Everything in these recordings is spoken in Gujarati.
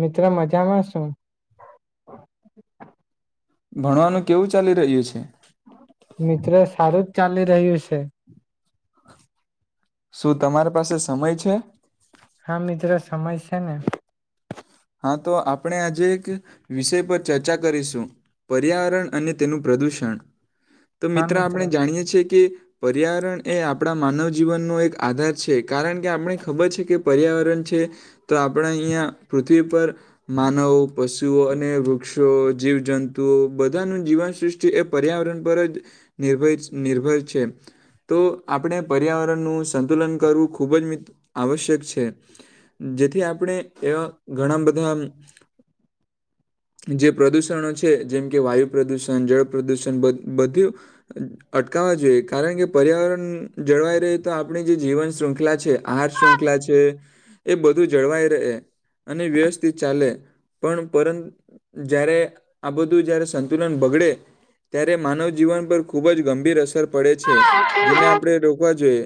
મિત્ર મજામાં સું. ભણવાનું કેવું ચાલી રહ્યું છે? ચાલી રહ્યું છે. શું તમારી પાસે સમય છે? હા મિત્ર સમય સે ને. હા તો આપણે આજે એક વિષય પર ચર્ચા કરીશું, પર્યાવરણ અને તેનું પ્રદુષણ. તો મિત્ર આપણે જાણીએ છીએ કે પર્યાવરણ એ આપણા માનવ જીવનનો એક આધાર છે કારણ કે આપણે ખબર છે કે પર્યાવરણ છે. તો આપણે અહીંયા પર માનવો પશુઓ અને વૃક્ષો જીવજંતુઓ બધાનું જીવન સૃષ્ટિ એ પર્યાવરણ પર જ નિર્ભય નિર્ભર છે. તો આપણે પર્યાવરણનું સંતુલન કરવું ખૂબ જ આવશ્યક છે. જેથી આપણે એ ઘણા બધા જે પ્રદૂષણો છે જેમ કે, વાયુ પ્રદૂષણ, જળ પ્રદુષણ, બધું અટકાવવા જોઈએ. કારણ કે, પર્યાવરણ જળવાઈ રહે તો આપણે જે જીવન શ્રૃંખલા છે, આહાર શ્રૃંખલા છે એ બધું જળવાય રહે. અને વ્યવસ્થિત ચાલે પણ પર જ્યારે આ બધું જ્યારે સંતુલન બગડે ત્યારે માનવ જીવન પર ખૂબ જ ગંભીર અસર પડે છે. જેને આપણે રોકવા જોઈએ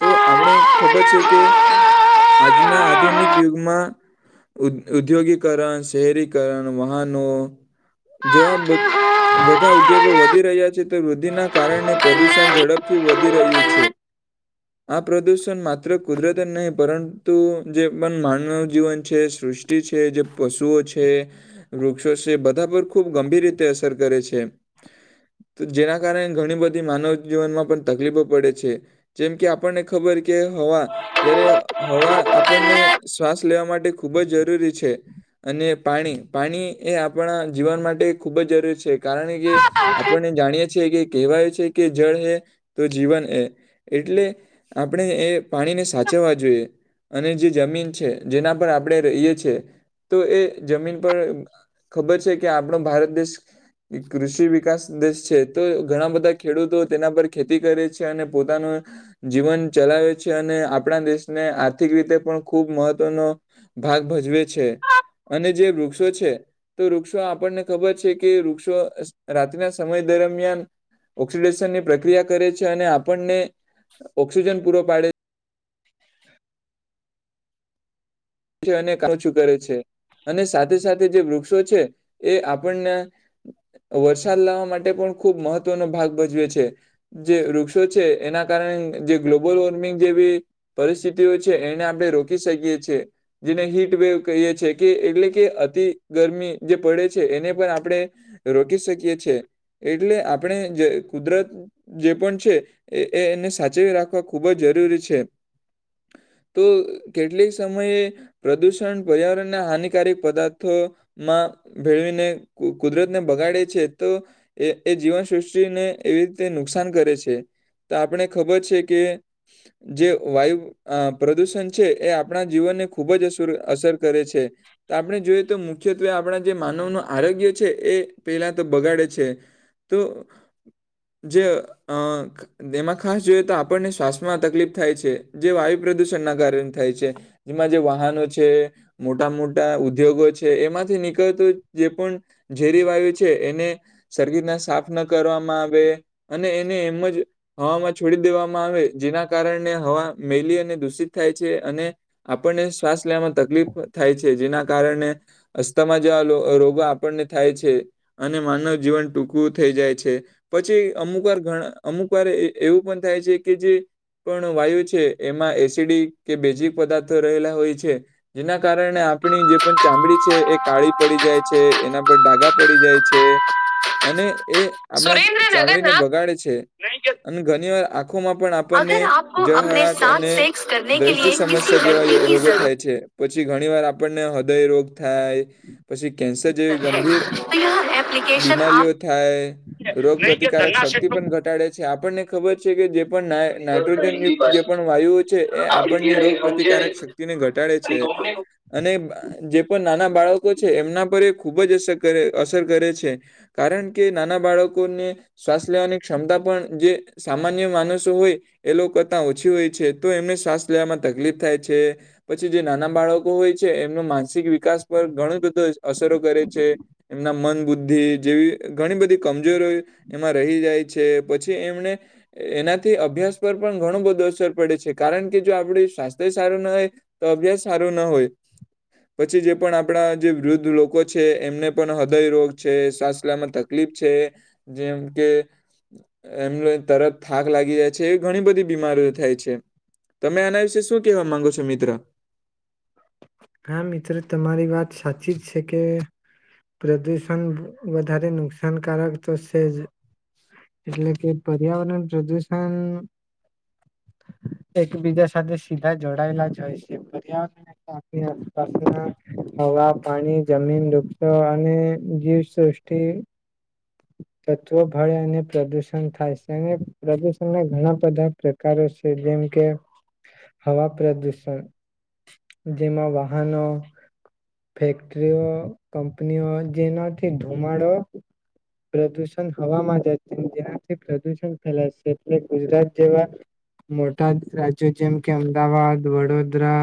તો આપણે ખબર છે કે આજના આધુનિક યુગમાં ઉદ્યોગીકરણ, શહેરીકરણ, વાહનો જો આ બધા ઉદ્યોગો વધી રહ્યા છે વૃદ્ધિના કારણે પ્રદુષણ ઝડપથી વધી રહ્યું છે. આ પ્રદુષણ માત્ર કુદરત નહીં પરંતુ જે પણ માનવ જીવન છે, શ્રુષ્ટિ છે, જે પશુઓ છે, વૃક્ષો છે બધા પર ખુબ ગંભીર રીતે અસર કરે છે. જેના કારણે ઘણી બધી માનવ જીવનમાં પણ તકલીફો પડે છે. જેમ કે આપણને ખબર કે હવા જયારે હવા આપણને શ્વાસ લેવા માટે ખૂબ જ જરૂરી છે અને પાણી, પાણી એ આપણા જીવન માટે ખૂબ જ જરૂરી છે. કારણ કે આપણને જાણીએ છીએ કે કેવાય છે કે જળ હે તો જીવન હે. એટલે આપણે એ પાણીને સાચવવા જોઈએ અને જે જમીન છે જેના પર આપ આપડે રહીએ છે તો એ જમીન પર ખબર છે કે આપણો ભારત દેશ કૃષિ વિકાસ દેશ છે. તો ઘણા બધા ખેડૂતો તેના પર ખેતી કરે છે અને પોતાનું જીવન ચલાવે છે અને આપણા દેશને આર્થિક રીતે પણ ખૂબ મહત્વનો ભાગ ભજવે છે અને જે વૃક્ષો છે તે વૃક્ષો આપણને ખબર છે કે વૃક્ષો રાત્રના સમય દરમિયાન ઓક્સિડેશનની પ્રક્રિયા કરે છે અને આપણને ઓક્સિજન પૂરો પાડે છે અને [inaudible] ઓછું કરે છે અને સાથે સાથે જે વૃક્ષો છે એ આપણને વરસાદ લાવવા માટે પણ ખૂબ મહત્વનો ભાગ ભજવે છે. જે વૃક્ષો છે એના કારણે જે ગ્લોબલ વોર્મિંગ જેવી પરિસ્થિતિઓ છે એને આપણે રોકી શકીએ છે. જેને હીટ વેવ કહીએ છે કે એટલે કે અતિ ગરમી જે પડે છે એને પણ આપણે રોકી શકીએ છે. એટલે આપણે જે કુદરત જે પણ છે એને સાચવી રાખવા ખૂબ જ જરૂરી છે. તો કેટલીક સમયે પ્રદૂષણ પર્યાવરણના હાનિકારક પદાર્થોમાં ભેળવીને કુદરતને બગાડે છે તો એ એ જીવન સૃષ્ટિને એવી રીતે નુકસાન કરે છે. તો આપણે ખબર છે કે જે વાયુ પ્રદૂષણ છે એ આપણા જીવનને ખૂબ જ શુરુ અસર કરે છે. તો આપણે જોઈએ તો મુ મુખ્યત્વે આપણા જે માનવનું આરોગ્ય છે એ પહેલા તો બગાડે છે. તો જે અઅ એમાં ખાસ જોઈએ તો આપણને શ્વાસમાં તકલીફ થાય છે. જે વાયુ પ્રદુષણના કારણે થાય છે. જેમાં જે વાહનો છે, મોટા મોટા ઉદ્યોગો છે, એમાંથી નીકળત જે પણ ઝેરી વાયુ છે એને [inaudible] ના સાફ ન કરવામાં આવે અને એને એમ જ હવામાં છોડી દેવામાં આવે, જેના કારણે હવા મેલી અને દૂષિત થાય છે અને આપણને શ્વાસ લેવામાં તકલીફ થાય છે. જેના કારણે અસ્થામાં જેવા રોગો આપણને થાય છે અને માનવ જીવન ટૂંકું થઈ જાય છે. પછી અમુક વાર ઘણા અમુક વાર એ એવું પણ થાય છે કે જે પણ વાયુ છે એમાં એસિડી કે બેઝિક પદાર્થ રહેલા હોય છે. જેના કારણે આપણી જે પણ ચામડી છે એ કાળી પડી જાય છે, એના પર ડાાગા પડી જાય છે અને એ આપણા ચામડીને બગાડે છે અને ઘણી વાર અગર આપકો આપને સાથ અને સેક્સ કરને કે દ્રષ્ટિ લિયે કિસી સમસ્યા જેવા રોગો થાય છે. પછી ઘણી વાર આપ આપણને હદય રોગ થાય, પછી કેન્સર જેવી ગંભીર બીમારીઓ થાય, રોગ પ્રતિકારક શક્તિ પણ ઘટાડે છે આપણને ખબર છે કે જે પણ નાઈટ્રોજન યુક્ત જે પણ વાયુઓ છે એ આપણને રોગ પ્રતિકારક શક્તિને ઘટાડે છે અને જે પણ નાના બાળકો છે એમના પર એ ખુબ જ અસર કરે અસર કરે છે કારણ કે નાના બાળકોને શ્વાસ લેવાની ક્ષમતા પણ જે સામાન્ય માણસો હોય એ લોકો કરતાં ઓછી હોય તો એમને શ્વાસ લેવામાં તકલીફ થાય છે, પછી જે નાના બાળકો હોય છે એમનો માનસિક વિકાસ પર ઘણ બધું અસરો કરે છે, એમના મન બુદ્ધિ જેવી ઘણી બધી કમજોરી એમાં રહી જાય છે, પછી એમને એનાથી અભ્યાસ પર પણ ઘણો બધો અસર પડે છે કારણ કે જો આપડે સ્વાસ્થ્ય સારું ન હોય તો અભ્યાસ સારો ન હોય. પછી જે પણ આપણા જે વૃદ્ધ લોકો છે એમને પણ હૃદય રોગ છે, સાસ લેવામાં તકલીફ છે, જેમ કે એમને તરત થાક લાગી જાય છે એવી ઘણી બધી બીમારીઓ થાય છે. તમે આના વિશે શું કહેવા માંગો છો મિત્ર? હા મિત્રો તમારી વાત સાચી જ છે, કે પ્રદુષણ વધારે નુકસાનકારક તો છે, જ એટલે કે પર્યાવરણ પ્રદુષણ એકબીજા સાથે સીધા જોડાયેલા જ હોય છે, પર્યાવરણ [unintelligible] આસપાસના હવા પાણી જમીન વુક્ષો અને જીવસૃષ્ટિ તત્વો ભળે અને પ્રદુષણ થાય છે, [unintelligible] પ્રદુષણના ઘણા બધા પ્રકારો છે, જેમ કે હવા પ્રદુષણ જેમાં વાહનો ફેક્ટરીઓ કંપનીઓ જેનાથી ધુમાડો પ્રદૂષણ હવામાં જ જેનાથી પ્રદુષણ ફેલાશે એટલે ગુજરાત જેવા મોટા રાજ્યો જેમ કે અમદાવાદ વડોદરા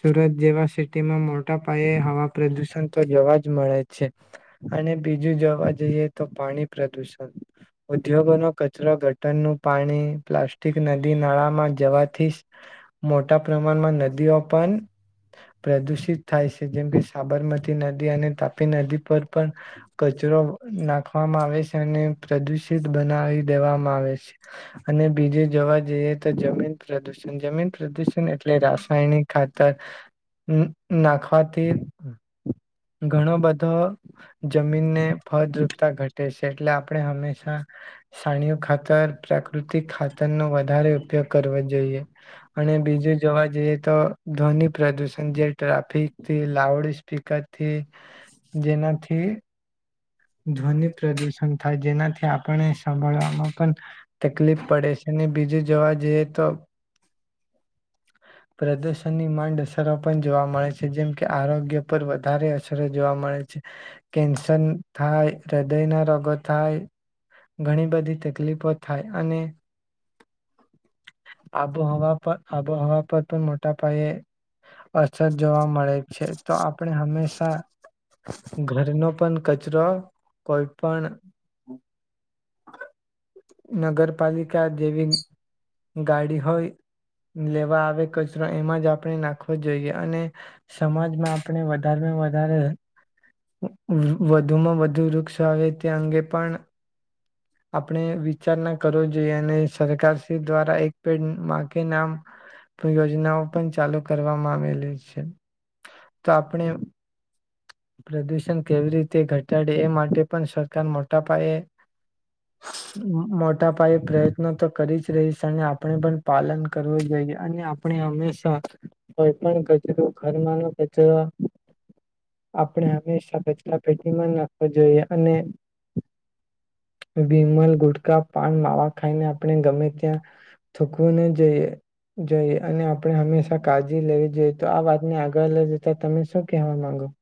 સુરત જેવા સિટીમાં મોટા પાયે હવા પ્રદુષણ તો જવા જ મળે છે, અને બીજું જવાજ જઈએ તો પાણી પ્રદુષણ ઉદ્યોગોનો કચરો [unintelligible] પાણી પ્લાસ્ટિક નદી નાળામાં જવાથી મોટા પ્રમાણમાં નદીઓ પણ પ્રદુષિત થાય છે, જેમ કે સાબરમતી નદી અને તાપી નદી પર પણ કચરો નાખવામાં આવે છે, અને પ્રદુષિત બનાવી દેવામાં આવે છે, અને બીજે જોવા જઈએ તો જમીન પ્રદુષણ જમીન પ્રદુષણ એટલે રાષ્ટ્ર [unintelligible] ખાતર નાખવાથી ઘણો બધા જમીનને ફળદ્રુપતા ઘટે છે, એટલે આપણે હંમેશા સાણીયુ. ખાતર પ્રાકૃતિક ખાતર નો [unintelligible] વધારે ઉપયોગ કરવો જોઈએ અને બીજું જોવા જઈએ તો ધ્વનિ પ્રદુષણ જે ટ્રાફિકથી લાઉડ સ્પીકરથી જેનાથી ધ્વનિ પ્રદુષણ થાય જેનાથી આપણને સાભળવામાં પણ તકલીફ પડે છે, અને બીજું જોવા જઈએ તો પ્રદર્શનની માંડ અસર. પણ જોવા મળે છે, જેમ કે આરોગ્ય પર વધારે અસરો જોવા મળે છે, કેન્સર થાય હૃદયના રોગો થાય ઘણી બધી તકલીફો થાય અને આબોહવા પર આબોહવા પર પણ મોટા પાયે અસર જોવા મળે છે, તો આપણે હંમેશા ઘરનો પણ [unintelligible] કચરો કોઈ પણ નગરપાલિકા જેવી ગાડી હોય લેવા આવે કચરો એમાં જ આપણે નાખવો જોઈએ, અને સમાજમાં આપણે વધારેમાં વધારે વધુમાં વધુ વૃક્ષો આવે તે અંગે પણ આપણે વિચારણા કરવો જોઈએ અને સરકાર શ્રી દ્વારા એક પેડ [unintelligible] યોજનાઓ પણ ચાલુ કરવામાં આવેલી છે, તો આપણે પ્રદુષણ કેવી રીતે ઘટાડે એ માટે પણ સરકાર મોટા પાયે મોટા પાયે પ્રયત્ન તો કરી જ રહીશ અને આપણે પણ પાલન કરવું જોઈએ, અને આપણે હમેશા કોઈ પણ કચરો ઘરમાંનો કચરો આપણે હંમેશા કચરા પેટીમાં નાખવો જોઈએ અને વિમલ ગુટકા પાન માવા ખાઈને આપણે ગમે ત્યાં થૂકવું ન જોઈએ જોઈએ અને આપણે હંમેશા કાળજી લેવી જોઈએ તો આ વાતને આગળ લઈ જતા તમે શું કહેવા માંગો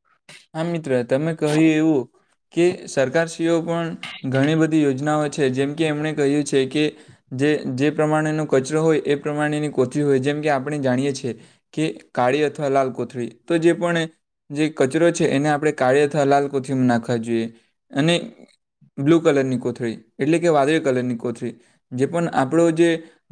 હા મિત્ર તમે કહ્યું એવું. કે સરકાર [unintelligible] પણ ઘણી બધી યોજનાઓ છે, જેમ કે એમણે કહ્યું. કે જે પ્રમાણેનો કચરો હોય એ પ્રમાણેની કોથળી હોય જેમ કે આપણે જાણીએ છીએ, કે કાળી અથવા લાલ કોથળી તો જે પણ જે કચરો છે એને આપણે કાળીથા લાલ કોથળીમાં નાખવા જોઈએ અને બ્લુ કલરની કોથળી એટલે કે વાદળી કલરની કોથળી જે પણ આપણો જે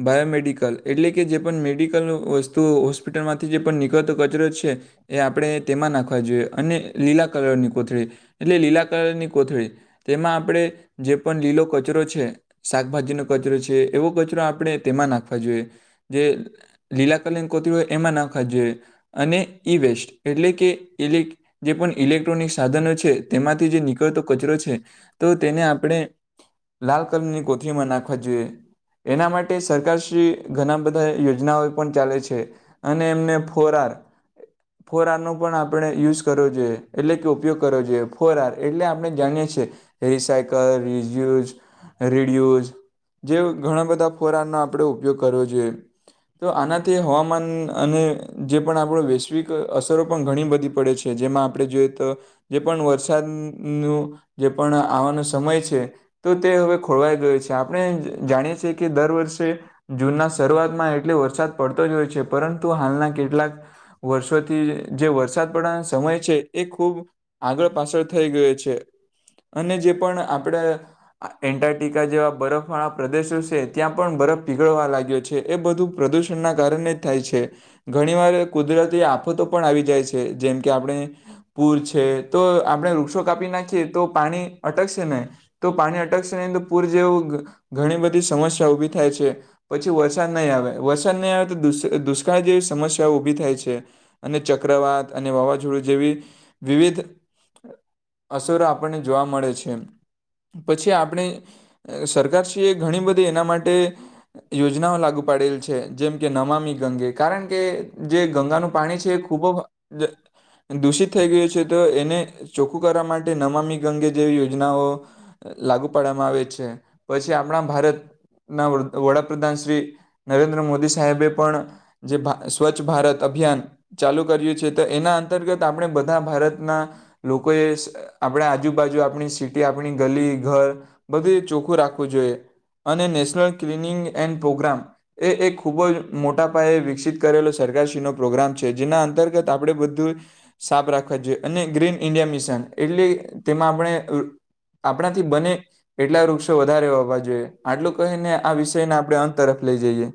બાયોમેડિકલ એટલે કે જે પણ મેડિકલ વસ્તુ હોસ્પિટલમાંથી જે પણ નીકળતો કચરો છે એ આપણે તેમાં નાખવો જોઈએ. અને લીલા કલરની કોથળી એટલે લીલા કલરની કોથળી તેમાં આપણે જે પણ લીલો કચરો છે શાકભાજીનો કચરો છે એવો કચરો આપણે તેમાં નાખવા જોઈએ જે લીલા કલરની કોથળી હોય એમાં નાખવા જોઈએ અને ઇ વેસ્ટ એટલે કે એલી જે પણ ઇલેક્ટ્રોનિક સાધનો છે, તેમાંથી જે નીકળતો કચરો છે, તો તેને આપણે લાલ કલરની કોથરીમાં નાખવા જોઈએ, એના માટે સરકાર શ્રી ઘણા બધા યોજનાઓ પણ ચાલે છે, અને એમને ફોર આર ફોર આર નો પણ આપણે યુઝ કરવો જોઈએ એટલે કે ઉપયોગ કરવો જોઈએ, ફોરઆર એટલે આપણે જાણીએ છીએ રિસાયકલ રીઝુઝ રીડયુઝ જે ઘણા બધા ફોર આરનો આપણે ઉપયોગ કરવો જોઈએ તો આનાથી હવામાન અને જે પણ આપણો વૈશ્વિક અસરો પણ ઘણી બધી પડે છે. જેમાં આપણે જોઈએ તો જે પણ વરસાદ [unintelligible] જે પણ આવાનો સમય છે, તો તે હવે ખોળવાઈ ગયો છે, આપણે જાણીએ છીએ કે દર વર્ષે જૂનના શરૂઆતમાં એટલે વરસાદ પડતો જ હોય છે, પરંતુ હાલના કેટલાક વર્ષોથી જે વરસાદ પડવા સમય છે, એ ખૂબ આગળ પાછળ થઈ ગયો છે, અને જે પણ આપણે એન્ટારક્ટિકા જેવા બરફવાળા પ્રદેશો છે, ત્યાં પણ બરફ પીગળવા લાગ્યો છે, એ બધું પ્રદૂષણના કારણે જ થાય છે, ઘણીવાર કુદરતી આફતો પણ આવી જાય છે, જેમ કે આપણે પૂર છે, તો આપણે વૃક્ષો કાપી નાખીએ તો પાણી અટકશે નહીં તો પાણી અટકશે નહી તો પૂર જેવું ઘણી બધી સમસ્યા ઊભી થાય છે. પછી વરસાદ નહીં આવે. વરસાદ નહીં આવે તો [unintelligible] દુષ્કાળ જેવી સમસ્યાઓ ઉભી થાય છ,. અને ચક્રવાત અને વાવાઝો જેવી વિવિધ અસરો આપણને જોવા મળે છે, પછી આપણે સરકારશ્રી એ ઘણી બધી એના માટે યોજનાઓ લાગુ પાડેલી છે. જેમ કે નમામી ગંગે કારણ કે જે ગંગાનું પાણી છે એ ખૂબ દૂષિત થઈ ગયું છે, તો એને ચોખ્ખું કરવા માટે નમામી ગંગે જેવી યો યોજનાઓ લાગુ [unintelligible] આવે છે, પછી આપણા ભારત ના વડાપ્રધાન શ્રી નરેન્દ્ર મોદી સાહેબે પણ જે સ્વચ્છ ભારત અભિયાન ચાલુ કર્યું છે, તો એના અંતર્ગત આપણે બધા ભારતના લોકોએ આપણા આજુબાજુ આપણી સિટી આપણી ગલી ઘર બધું ચોખ્ખું રાખવું જોઈએ અને નેશનલ ક્લિનિંગ એન્ડ પ્રોગ્રામ એ એક ખૂબ જ મોટા પાયે વિકસિત કરેલો સરકારશ્રીનો પ્રોગ્રામ છે, જેના અંતર્ગત આપણે બધું સાફ રાખવા જોઈએ અને ગ્રીન ઈન્ડિયા મિશન એટલે તેમાં આપણે [unintelligible] આપણાથી બને એટલા વૃક્ષો વધારે હોવા જોઈએ આટલું કહીને આ વિષયને આપણે અંત તરફ લઈ જઈએ.